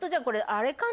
これ。